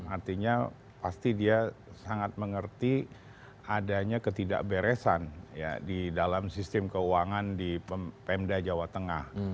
artinya pasti dia sangat mengerti adanya ketidakberesan di dalam sistem keuangan di pemda jawa tengah